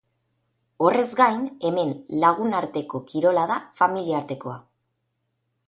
Horrez gain, hemen lagunarteko kirola da, familiartekoa.